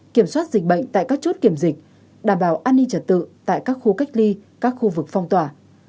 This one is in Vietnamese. kiểm soát dịch bệnh tại các chốt kiểm dịch đảm bảo an ninh trật tự tại các khu cách ly các khu vực phong tỏa